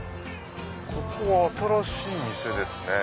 ここは新しい店ですね。